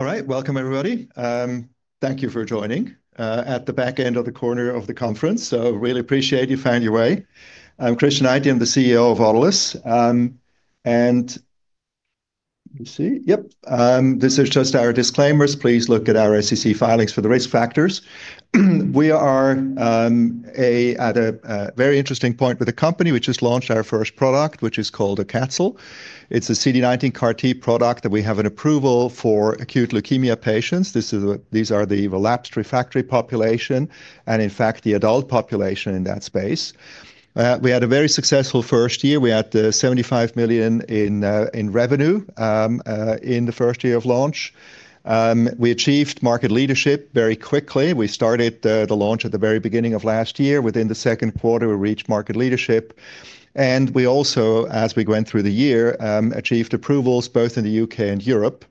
All right. Welcome everybody. Thank you for joining at the back end of the corner of the conference. Really appreciate you found your way. I'm Christian Itin, the CEO of Autolus. Let me see. This is just our disclaimers. Please look at our SEC filings for the risk factors. We are at a very interesting point with the company. We just launched our first product, which is called obe-cel. It's a CD19 CAR-T product that we have an approval for acute leukemia patients. These are the relapsed refractory population and in fact the adult population in that space. We had a very successful first year. We had $75 million in revenue in the first year of launch. We achieved market leadership very quickly. We started the launch at the very beginning of last year. Within the second quarter, we reached market leadership. We also, as we went through the year, achieved approvals both in the U.K. and Europe.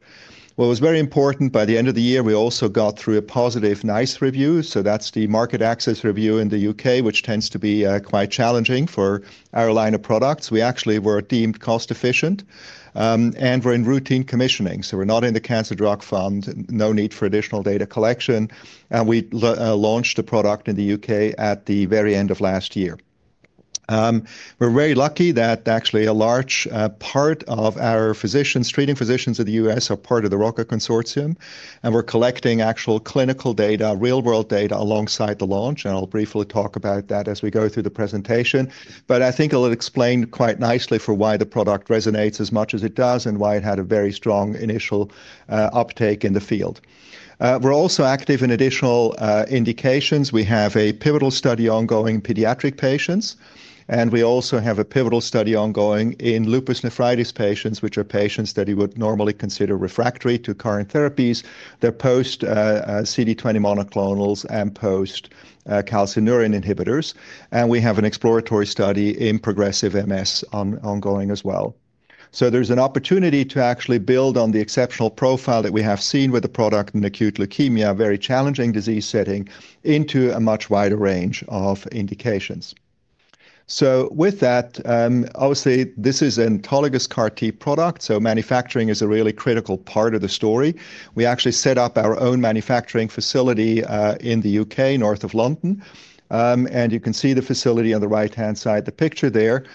What was very important, by the end of the year, we also got through a positive NICE review. That's the market access review in the U.K., which tends to be quite challenging for our line of products. We actually were deemed cost-efficient, and we're in routine commissioning, so we're not in the Cancer Drugs Fund, no need for additional data collection, and we launched the product in the U.K. at the very end of last year. We're very lucky that actually a large part of our physicians, treating physicians of the U.S. are part of the ROCCA Consortium, and we're collecting actual clinical data, real-world data alongside the launch, and I'll briefly talk about that as we go through the presentation. I think it'll explain quite nicely for why the product resonates as much as it does and why it had a very strong initial uptake in the field. We're also active in additional indications. We have a pivotal study ongoing pediatric patients, and we also have a pivotal study ongoing in lupus nephritis patients, which are patients that you would normally consider refractory to current therapies. They're post CD20 monoclonals and post calcineurin inhibitors. We have an exploratory study in progressive MS ongoing as well. There's an opportunity to actually build on the exceptional profile that we have seen with the product in acute leukemia, a very challenging disease setting, into a much wider range of indications. With that, obviously this is an autologous CAR-T product, so manufacturing is a really critical part of the story. We actually set up our own manufacturing facility in the U.K., north of London, and you can see the facility on the right-hand side, the picture there.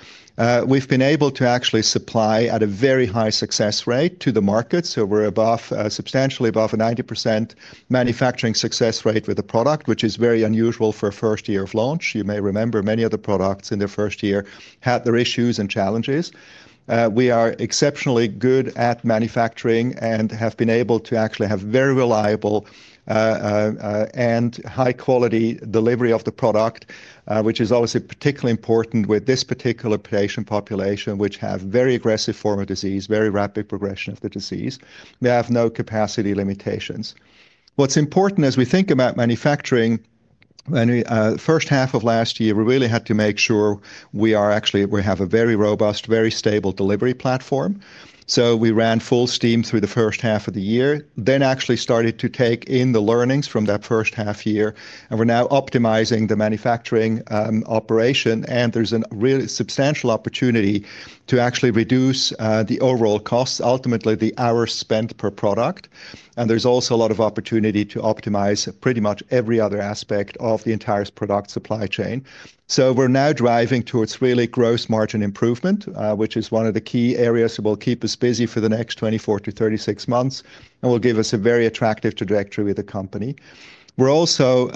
We've been able to actually supply at a very high success rate to the market. We're above, substantially above a 90% manufacturing success rate with the product, which is very unusual for a first year of launch. You may remember many of the products in their first year had their issues and challenges. We are exceptionally good at manufacturing and have been able to actually have very reliable and high quality delivery of the product, which is obviously particularly important with this particular patient population, which have very aggressive form of disease, very rapid progression of the disease. We have no capacity limitations. What's important as we think about manufacturing, first half of last year, we really had to make sure we have a very robust, very stable delivery platform. We ran full steam through the first half of the year, then actually started to take in the learnings from that first half year, and we're now optimizing the manufacturing operation, and there's an really substantial opportunity to actually reduce the overall costs, ultimately the hours spent per product. There's also a lot of opportunity to optimize pretty much every other aspect of the entire product supply chain. We're now driving towards really gross margin improvement, which is one of the key areas that will keep us busy for the next 24-36 months and will give us a very attractive trajectory with the company. We're also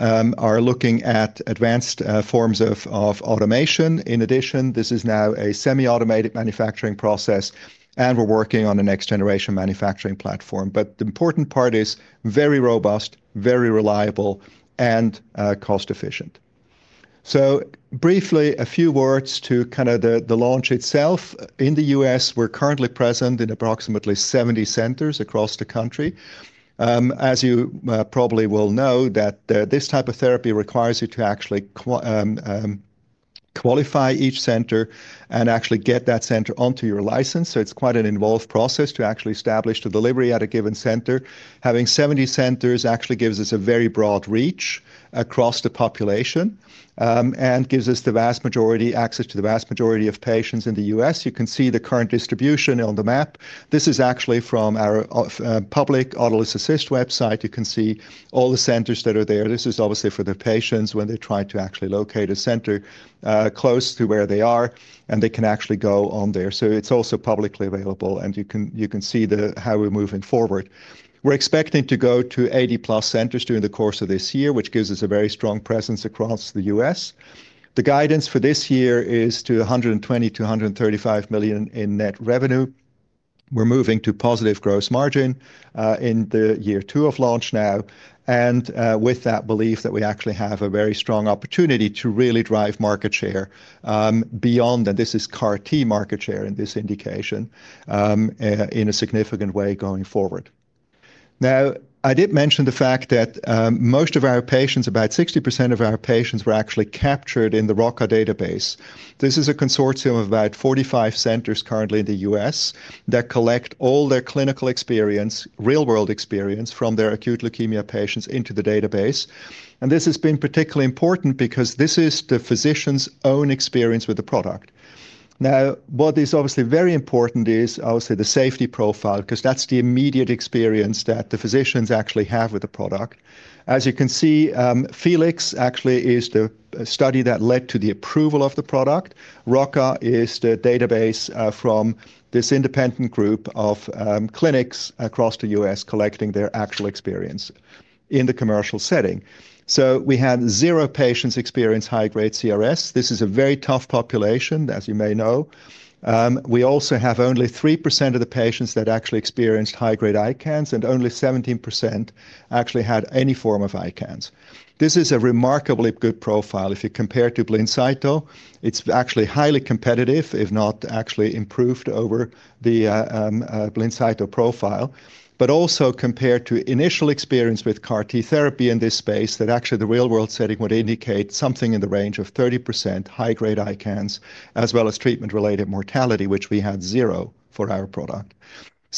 looking at advanced forms of automation. In addition, this is now a semi-automated manufacturing process, and we're working on the next generation manufacturing platform. The important part is very robust, very reliable and cost efficient. Briefly, a few words to kinda the launch itself. In the U.S., we're currently present in approximately 70 centers across the country. As you probably well know this type of therapy requires you to actually qualify each center and actually get that center onto your license, so it's quite an involved process to actually establish the delivery at a given center. Having 70 centers actually gives us a very broad reach across the population, and gives us access to the vast majority of patients in the U.S. You can see the current distribution on the map. This is actually from our off public Autolus Assist website. You can see all the centers that are there. This is obviously for the patients when they try to actually locate a center close to where they are, and they can actually go on there. It's also publicly available, and you can see how we're moving forward. We're expecting to go to 80+ centers during the course of this year, which gives us a very strong presence across the U.S. The guidance for this year is to $120 million-$135 million in net revenue. We're moving to positive gross margin in the year two of launch now, with that belief that we actually have a very strong opportunity to really drive market share, beyond, and this is CAR-T market share in this indication, in a significant way going forward. I did mention the fact that most of our patients, about 60% of our patients were actually captured in the ROCCA database. This is a consortium of about 45 centers currently in the U.S. that collect all their clinical experience, real-world experience, from their acute leukemia patients into the database. This has been particularly important because this is the physician's own experience with the product. What is obviously very important is obviously the safety profile, because that's the immediate experience that the physicians actually have with the product. As you can see, FELIX actually is the study that led to the approval of the product. ROCCA is the database from this independent group of clinics across the U.S. collecting their actual experience in the commercial setting. We had zero patients experience high-grade CRS. This is a very tough population, as you may know. We also have only 3% of the patients that actually experienced high-grade ICANS, and only 17% actually had any form of ICANS. This is a remarkably good profile. If you compare to Blincyto, it's actually highly competitive, if not actually improved over the Blincyto profile. Also compared to initial experience with CAR-T therapy in this space, that actually the real-world setting would indicate something in the range of 30% high-grade ICANS, as well as treatment-related mortality, which we had zero for our product.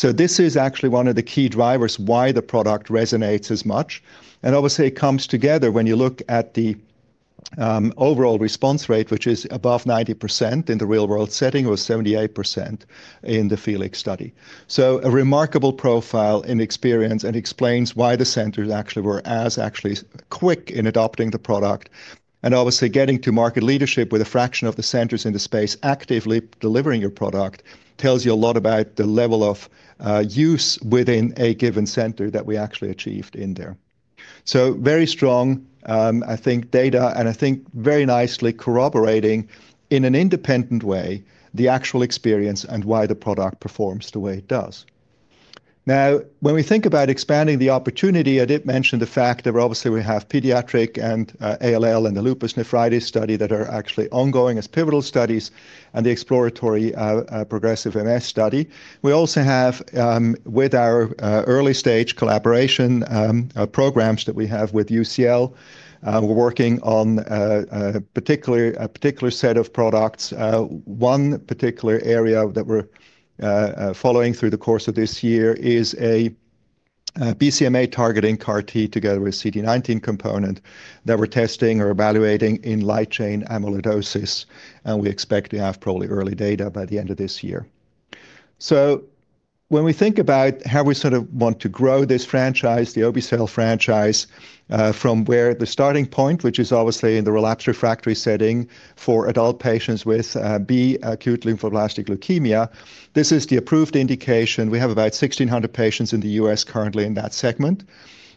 This is actually one of the key drivers why the product resonates as much, and obviously it comes together when you look at the overall response rate, which is above 90% in the real-world setting, or 78% in the FELIX study. A remarkable profile and experience, and explains why the centers actually were as actually quick in adopting the product. Obviously, getting to market leadership with a fraction of the centers in the space actively delivering your product tells you a lot about the level of use within a given center that we actually achieved in there. Very strong, I think, data, and I think very nicely corroborating in an independent way the actual experience and why the product performs the way it does. Now, when we think about expanding the opportunity, I did mention the fact that obviously we have pediatric and ALL and the lupus nephritis study that are actually ongoing as pivotal studies and the exploratory progressive MS study. We also have, with our early-stage collaboration, programs that we have with UCL, we're working on a particular set of products. One particular area that we're following through the course of this year is a BCMA-targeting CAR-T together with CD19 component that we're testing or evaluating in light chain amyloidosis, and we expect to have probably early data by the end of this year. When we think about how we sort of want to grow this franchise, the obicel franchise, from where the starting point, which is obviously in the relapsed refractory setting for adult patients with B-cell acute lymphoblastic leukemia, this is the approved indication. We have about 1,600 patients in the U.S. currently in that segment.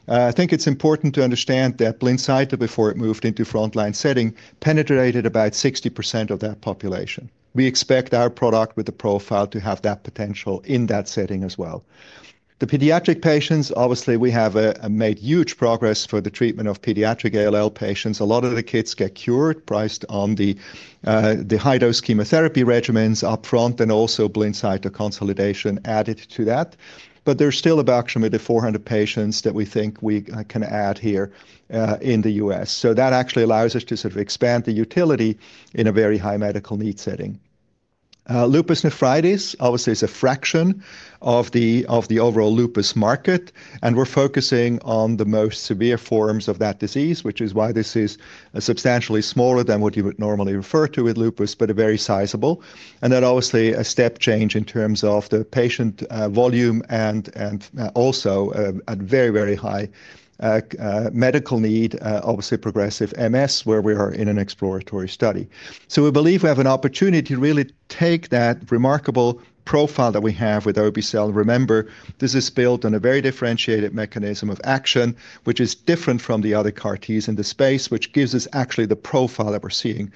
I think it's important to understand that Blincyto, before it moved into frontline setting, penetrated about 60% of that population. We expect our product with the profile to have that potential in that setting as well. The pediatric patients, obviously, we have made huge progress for the treatment of pediatric ALL patients. A lot of the kids get cured priced on the high-dose chemotherapy regimens upfront and also Blincyto consolidation added to that. There's still about somewhere to 400 patients that we think we can add here in the U.S. That actually allows us to sort of expand the utility in a very high medical need setting. Lupus nephritis obviously is a fraction of the overall lupus market, and we're focusing on the most severe forms of that disease, which is why this is substantially smaller than what you would normally refer to with lupus, but very sizable. Obviously a step change in terms of the patient volume and also a very, very high medical need, obviously progressive MS, where we are in an exploratory study. We believe we have an opportunity to really take that remarkable profile that we have with obe-cel. Remember, this is built on a very differentiated mechanism of action, which is different from the other CAR-Ts in the space, which gives us actually the profile that we're seeing.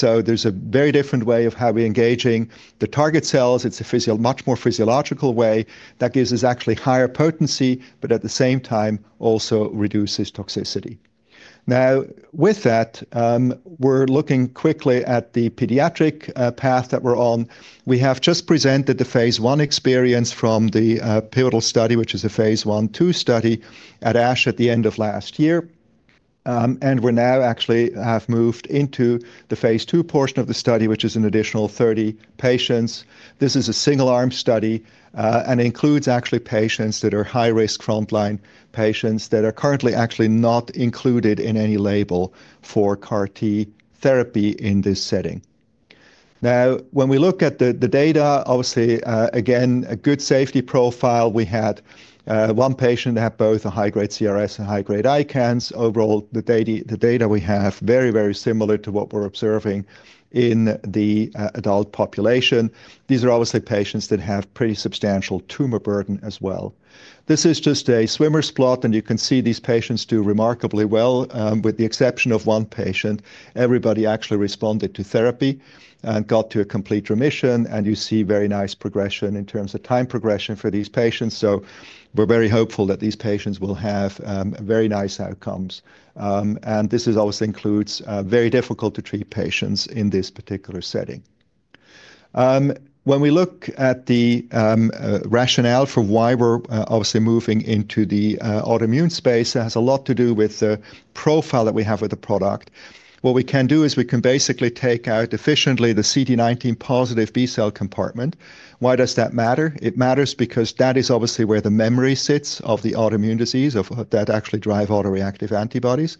There's a very different way of how we're engaging the target cells. It's a much more physiological way that gives us actually higher potency, but at the same time also reduces toxicity. With that, we're looking quickly at the pediatric path that we're on. We have just presented the phase I experience from the pivotal study, which is a phase I, II study at ASH at the end of last year. We're now actually have moved into the phase II portion of the study, which is an additional 30 patients. This is a single-arm study, includes actually patients that are high-risk frontline patients that are currently actually not included in any label for CAR-T therapy in this setting. Now, when we look at the data, obviously, again, a good safety profile. We had 1 patient have both a high-grade CRS and high-grade ICANS. Overall, the data we have, very, very similar to what we're observing in the adult population. These are obviously patients that have pretty substantial tumor burden as well. This is just a swimmer's plot, you can see these patients do remarkably well. With the exception of 1 patient, everybody actually responded to therapy and got to a complete remission. You see very nice progression in terms of time progression for these patients. We're very hopeful that these patients will have very nice outcomes. This is obviously includes very difficult to treat patients in this particular setting. When we look at the rationale for why we're obviously moving into the autoimmune space, it has a lot to do with the profile that we have with the product. What we can do is we can basically take out efficiently the CD19 positive B-cell compartment. Why does that matter? It matters because that is obviously where the memory sits of the autoimmune disease of, that actually drive autoreactive antibodies,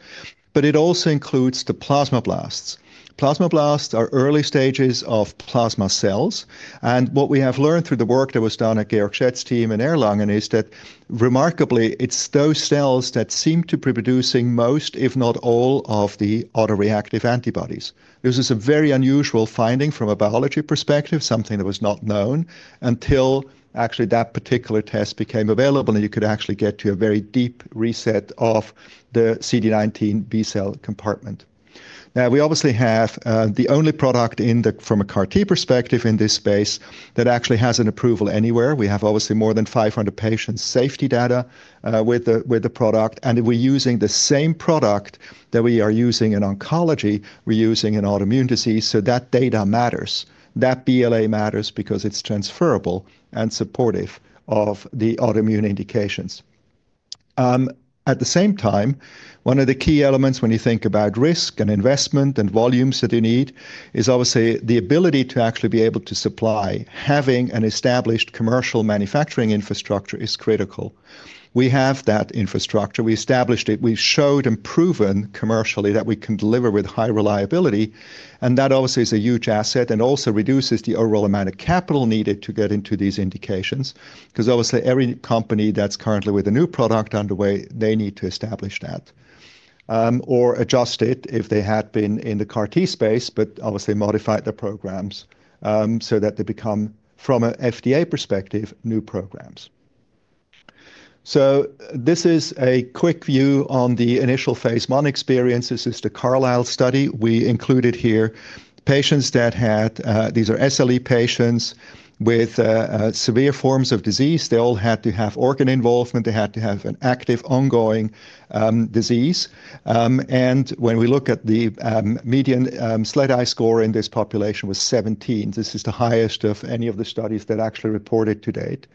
but it also includes the plasmablasts. Plasmablasts are early stages of plasma cells, and what we have learned through the work that was done at Georg Schett's team in Erlangen is that remarkably, it's those cells that seem to be producing most, if not all, of the autoreactive antibodies. This is a very unusual finding from a biology perspective, something that was not known until actually that particular test became available, and you could actually get to a very deep reset of the CD19 B-cell compartment. We obviously have the only product from a CAR-T perspective in this space that actually has an approval anywhere. We have obviously more than 500 patients' safety data with the product, and we're using the same product that we are using in oncology, we're using in autoimmune disease, so that data matters. That BLA matters because it's transferable and supportive of the autoimmune indications. At the same time, one of the key elements when you think about risk and investment and volumes that you need is obviously the ability to actually be able to supply. Having an established commercial manufacturing infrastructure is critical. We have that infrastructure. We established it. We've showed and proven commercially that we can deliver with high reliability. That obviously is a huge asset and also reduces the overall amount of capital needed to get into these indications because obviously every company that's currently with a new product underway, they need to establish that. Or adjust it if they had been in the CAR-T space, but obviously modified their programs, so that they become, from an FDA perspective, new programs. This is a quick view on the initial phase 1 experience. This is the CAROUSEL study. We included here patients that had, these are SLE patients with severe forms of disease. They all had to have organ involvement. They had to have an active, ongoing disease. When we look at the median SLEDAI score in this population was 17. This is the highest of any of the studies that actually reported to date.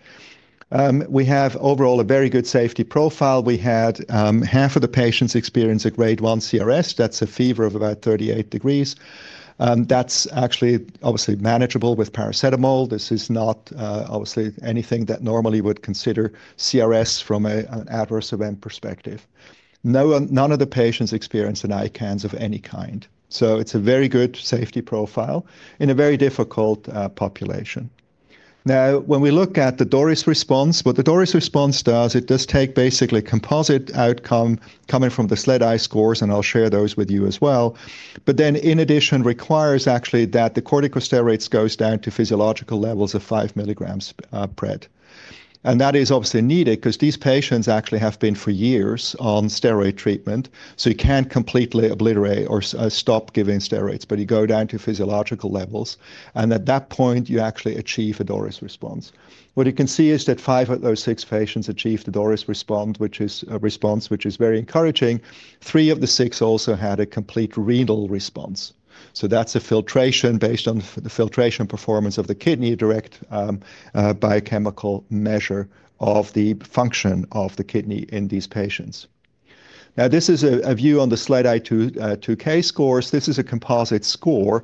We have overall a very good safety profile. We had half of the patients experience a grade one CRS. That's a fever of about 38 degrees. That's actually obviously manageable with paracetamol. This is not obviously anything that normally you would consider CRS from an adverse event perspective. No, none of the patients experience an ICANS of any kind. It's a very good safety profile in a very difficult population. Now, when we look at the DORIS response, what the DORIS response does, it does take basically composite outcome coming from the SLEDAI scores, and I'll share those with you as well. In addition, requires actually that the corticosteroids goes down to physiological levels of 5 milligrams pred. That is obviously needed because these patients actually have been for years on steroid treatment, so you can't completely obliterate or stop giving steroids, but you go down to physiological levels, and at that point, you actually achieve a DORIS response. What you can see is that five of those six patients achieved the DORIS response, which is a response which is very encouraging. Three of the six also had a complete renal response. That's a filtration based on the filtration performance of the kidney, a direct biochemical measure of the function of the kidney in these patients. This is a view on the SLEDAI-2K scores. This is a composite score.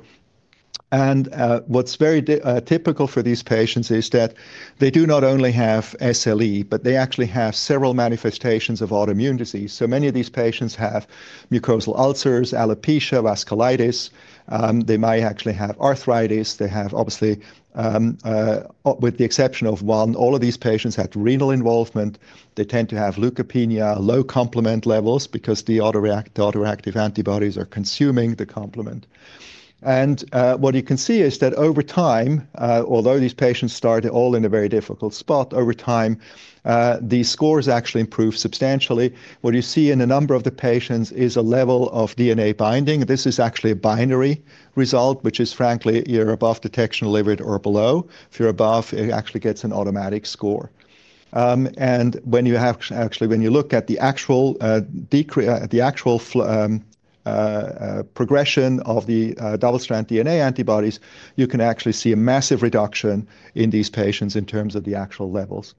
What's very typical for these patients is that they do not only have SLE, but they actually have several manifestations of autoimmune disease. Many of these patients have mucosal ulcers, alopecia, vasculitis, they may actually have arthritis. They have obviously, with the exception of one, all of these patients had renal involvement. They tend to have leukopenia, low complement levels because the autoreactive antibodies are consuming the complement. What you can see is that over time, although these patients started all in a very difficult spot, over time, the scores actually improve substantially. What you see in a number of the patients is a level of DNA binding. This is actually a binary result, which is frankly, you're above detection level or below. If you're above, it actually gets an automatic score. When you look at the actual progression of the double-strand DNA antibodies, you can actually see a massive reduction in these patients in terms of the actual levels.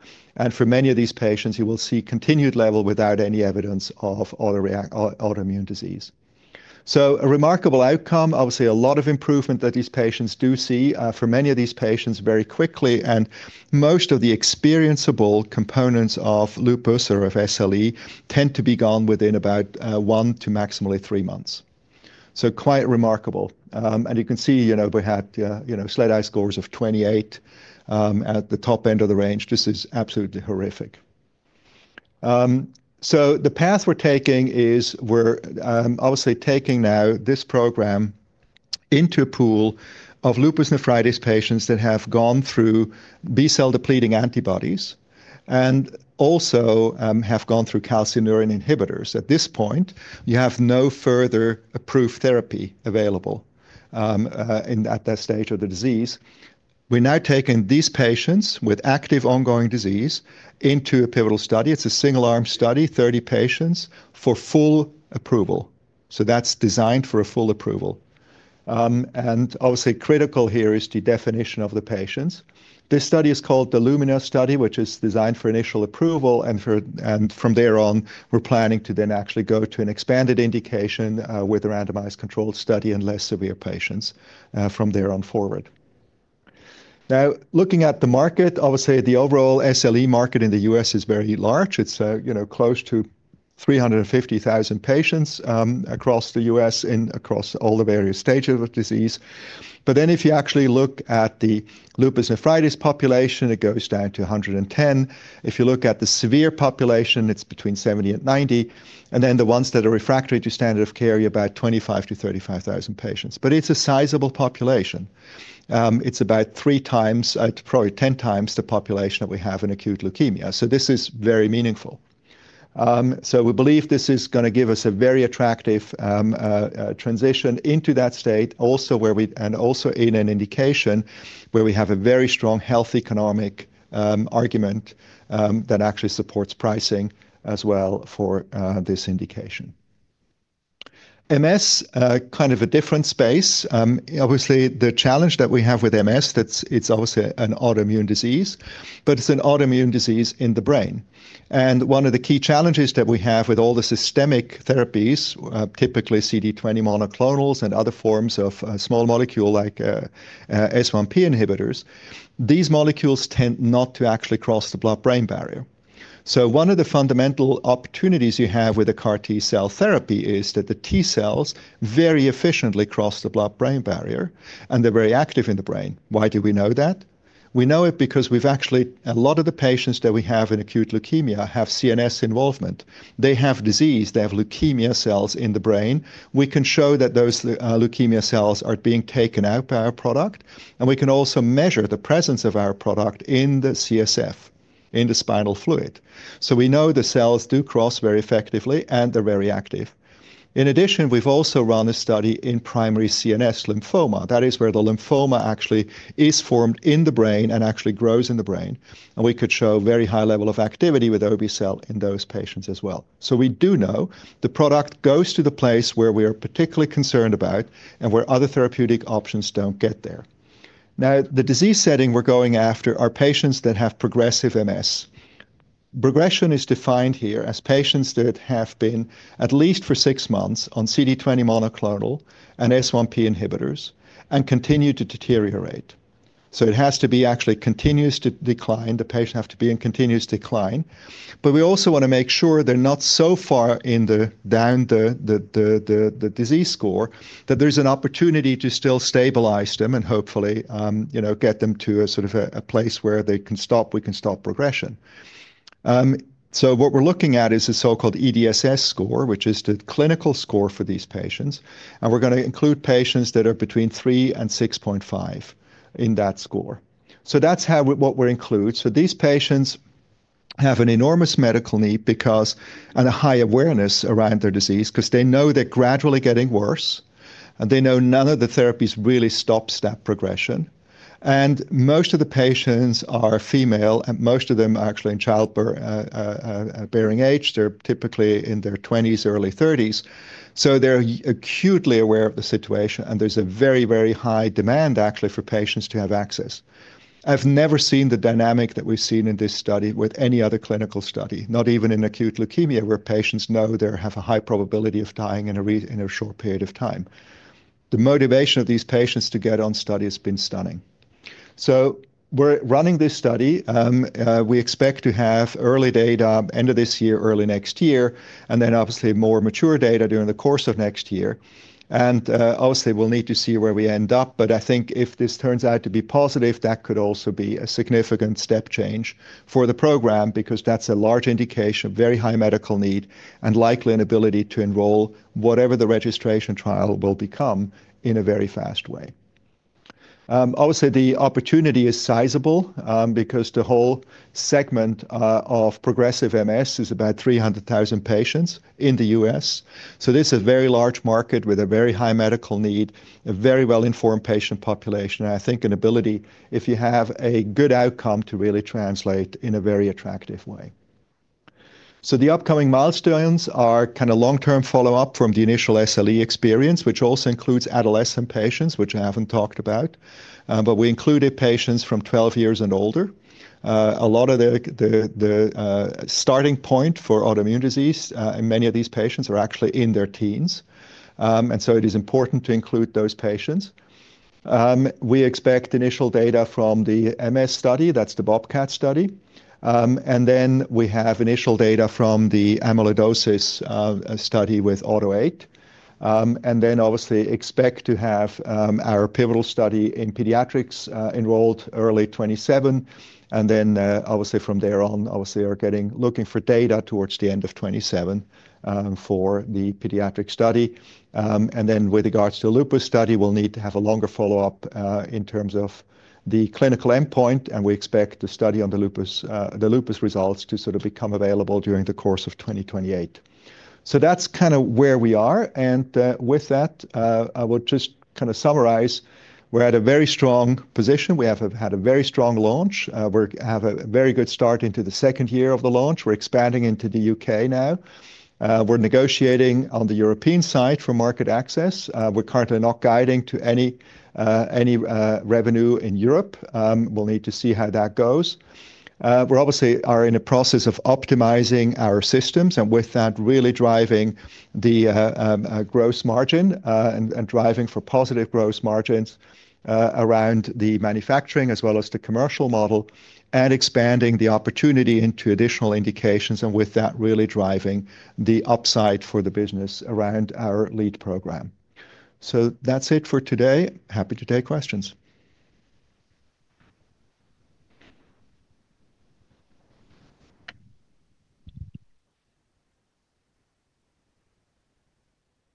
For many of these patients, you will see continued level without any evidence of autoimmune disease. A remarkable outcome, obviously a lot of improvement that these patients do see for many of these patients very quickly. Most of the experienceable components of lupus or of SLE tend to be gone within about one to maximally three months. Quite remarkable. You can see, you know, we had, you know, SLEDAI scores of 28 at the top end of the range. This is absolutely horrific. The path we're taking is we're obviously taking now this program into a pool of lupus nephritis patients that have gone through B-cell depleting antibodies and also have gone through calcineurin inhibitors. At this point, you have no further approved therapy available in, at that stage of the disease. We're now taking these patients with active ongoing disease into a pivotal study. It's a single arm study, 30 patients, for full approval. That's designed for a full approval. Obviously critical here is the definition of the patients. This study is called the LUMINOUS study, which is designed for initial approval and from there on, we're planning to then actually go to an expanded indication with a randomized controlled study in less severe patients from there on forward. Looking at the market, obviously the overall SLE market in the U.S. is very large. It's, you know, close to 350,000 patients across the U.S. and across all the various stages of disease. If you actually look at the lupus nephritis population, it goes down to 110. If you look at the severe population, it's between 70-90. The ones that are refractory to standard of care are about 25,000-35,000 patients. It's a sizable population. It's about three times, probably 10 times the population that we have in acute leukemia, so this is very meaningful. We believe this is going to give us a very attractive transition into that state also where we and also in an indication where we have a very strong health economic argument that actually supports pricing as well for this indication. MS, kind of a different space. Obviously the challenge that we have with MS, that's it's obviously an autoimmune disease, but it's an autoimmune disease in the brain. One of the key challenges that we have with all the systemic therapies, typically CD20 monoclonals and other forms of small molecule like S1P inhibitors, these molecules tend not to actually cross the blood-brain barrier. One of the fundamental opportunities you have with a CAR T-cell therapy is that the T-cells very efficiently cross the blood-brain barrier, and they're very active in the brain. Why do we know that? We know it because we've actually a lot of the patients that we have in acute leukemia have CNS involvement. They have disease. They have leukemia cells in the brain. We can show that those leukemia cells are being taken out by our product, and we can also measure the presence of our product in the CSF, in the spinal fluid. We know the cells do cross very effectively, and they're very active. In addition, we've also run a study in primary CNS lymphoma. That is where the lymphoma actually is formed in the brain and actually grows in the brain, and we could show very high level of activity with obicell in those patients as well. We do know the product goes to the place where we're particularly concerned about and where other therapeutic options don't get there. The disease setting we're going after are patients that have progressive MS. Progression is defined here as patients that have been at least for six months on CD20 monoclonal and S1P inhibitors and continue to deteriorate. It has to be actually continuous decline, the patient have to be in continuous decline. We also wanna make sure they're not so far down the disease score that there's an opportunity to still stabilize them and hopefully, you know, get them to a sort of a place where they can stop, we can stop progression. What we're looking at is a so-called EDSS score, which is the clinical score for these patients, and we're gonna include patients that are between 3 and 6.5 in that score. That's how what we include. These patients have an enormous medical need because, and a high awareness around their disease, because they know they're gradually getting worse, and they know none of the therapies really stops that progression. Most of the patients are female, and most of them are actually in childbearing age. They're typically in their 20s, early 30s. They're acutely aware of the situation, and there's a very, very high demand actually for patients to have access. I've never seen the dynamic that we've seen in this study with any other clinical study, not even in acute leukemia, where patients know they have a high probability of dying in a short period of time. The motivation of these patients to get on study has been stunning. We're running this study. We expect to have early data end of this year, early next year, and then obviously more mature data during the course of next year. Obviously we'll need to see where we end up, but I think if this turns out to be positive, that could also be a significant step change for the program because that's a large indication, very high medical need, and likely an ability to enroll whatever the registration trial will become in a very fast way. Obviously the opportunity is sizable because the whole segment of progressive MS is about 300,000 patients in the U.S. This is a very large market with a very high medical need, a very well-informed patient population, and I think an ability, if you have a good outcome, to really translate in a very attractive way. The upcoming milestones are kinda long-term follow-up from the initial SLE experience, which also includes adolescent patients, which I haven't talked about. But we included patients from 12 years and older. A lot of the starting point for autoimmune disease, in many of these patients are actually in their teens. It is important to include those patients. We expect initial data from the MS study, that's the BOBCAT study. We have initial data from the amyloidosis study with AUTO8. Obviously expect to have our pivotal study in pediatrics enrolled early 2027, obviously from there on, obviously are getting, looking for data towards the end of 2027 for the pediatric study. With regards to the lupus study, we'll need to have a longer follow-up, in terms of the clinical endpoint, and we expect the study on the lupus results to sort of become available during the course of 2028. That's kind of where we are. With that, I will just kind of summarize. We're at a very strong position. We have had a very strong launch. We're have a very good start into the second year of the launch. We're expanding into the U.K. now. We're negotiating on the European side for market access. We're currently not guiding to any revenue in Europe. We'll need to see how that goes. We're obviously are in a process of optimizing our systems and with that really driving the gross margin, and driving for positive gross margins around the manufacturing as well as the commercial model, and expanding the opportunity into additional indications and with that really driving the upside for the business around our lead program. That's it for today. Happy to take questions.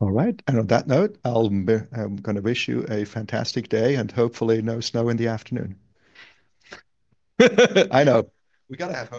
All right. On that note, I'll be gonna wish you a fantastic day and hopefully no snow in the afternoon. I know. We gotta have hope.